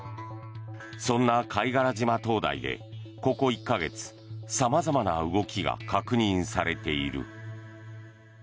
そんな貝殻島灯台でここ１か月様々な動きが確認されている。